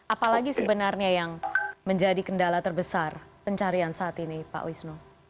apalagi sebenarnya yang menjadi kendala terbesar pencarian saat ini pak wisnu